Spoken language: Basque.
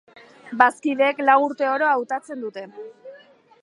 Bazkideek lau urte oro hautatzen dute.